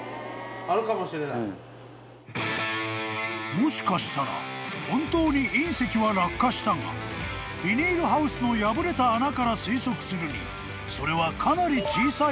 ［もしかしたら本当に隕石は落下したがビニールハウスの破れた穴から推測するにそれはかなり小さいもの］